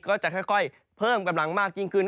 ก็จะค่อยเพิ่มกำลังมากยิ่งขึ้น